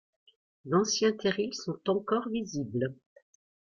D'anciens terrils sont encore visibles.